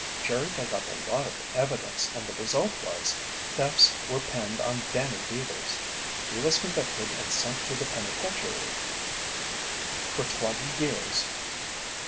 Jerry dug up a lot of evidence, and the result was, thefts were pinned on Danny Deevers. He was convicted and sent to the penitentiary for twenty years."